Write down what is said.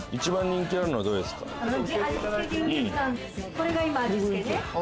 これが今味付けね。